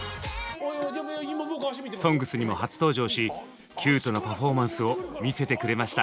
「ＳＯＮＧＳ」にも初登場しキュートなパフォーマンスを見せてくれました。